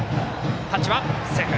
タッチはセーフ。